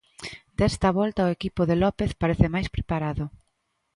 Desta volta o equipo de López parece máis preparado.